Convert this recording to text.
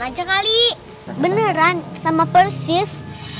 aja kali beneran sama persis